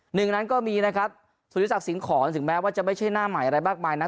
หนึ่งนั้นก็มีนะครับสุริสักสิงหอนถึงแม้ว่าจะไม่ใช่หน้าใหม่อะไรมากมายนะ